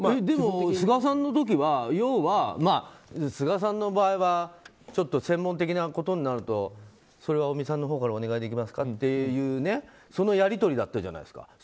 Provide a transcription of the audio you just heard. でも、菅さんの時は菅さんの場合はちょっと専門的なことになるとそれは尾身さんのほうからお願いできますかっていうやり取りだったじゃないですか。